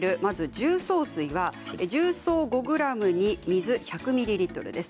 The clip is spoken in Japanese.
重曹水は重曹５ｇに水１００ミリリットルです。